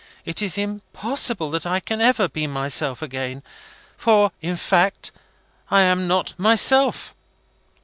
It is impossible that I can ever be myself again. For, in fact, I am not myself."